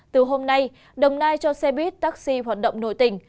từ hôm nay đồng nai cho xe buýt taxi hoạt động nổi tỉnh